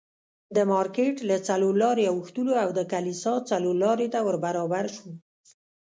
د مارکېټ له څلور لارې اوښتلو او د کلیسا څلورلارې ته ور برابر شوو.